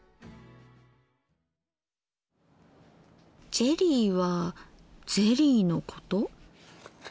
ジェリーはゼリーのこと？